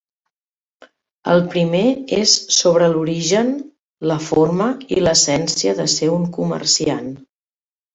El primer és sobre l'origen, la forma i l'essència de ser un comerciant.